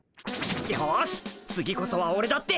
よし次こそはオレだって。